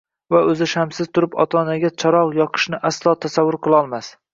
va o’zi shamsiz turib ota-onaga charog’ yoqishni aslo tasavvur qilolmas